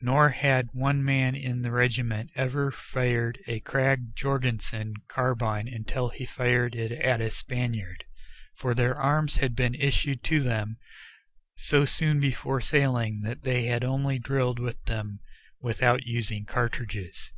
Nor had one man in the regiment ever fired a Krag Jorgensen carbine until he fired it at a Spaniard, for their arms had been issued to them so soon before sailing that they had only drilled with them without using cartridges.